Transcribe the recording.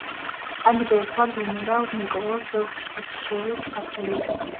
ადრე ერქვა გენერალ ნიკოლოზ რტიშჩევის სახელი.